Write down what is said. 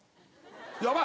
やばい！